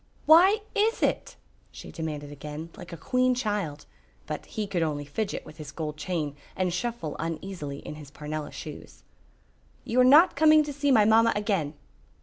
"Why is it?" she demanded again, like a queen child, but he could only fidget with his gold chain and shuffle uneasily in his parnella shoes. "You are not coming to see my mamma again."